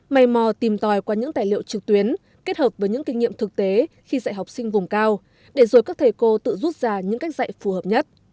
mày mò tìm tòi qua những tài liệu trực tuyến kết hợp với những kinh nghiệm thực tế khi dạy học sinh vùng cao để rồi các thầy cô tự rút ra những cách dạy phù hợp nhất